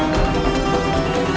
aku akan terus memburumu